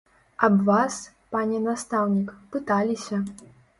Аб вас, пане настаўнік, пыталіся.